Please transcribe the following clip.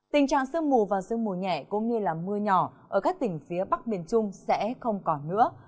tình trạng sương mù và sương mù nhẹ cũng như mưa nhỏ ở các tỉnh phía bắc miền trung sẽ không còn nữa